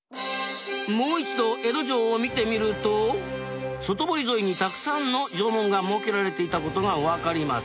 もう一度江戸城を見てみると外堀沿いにたくさんの城門が設けられていた事が分かります。